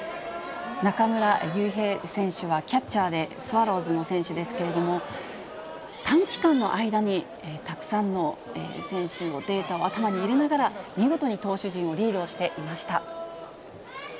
中村悠平選手はキャッチャーで、スワローズの選手ですけれども、短期間の間にたくさんの選手のデータを頭に入れながら、見事に投手陣をリードしていました。